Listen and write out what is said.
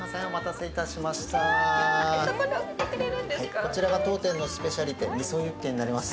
こちらが当店のスペシャリテ味噌ユッケになります。